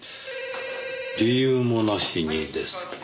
理由もなしにですか。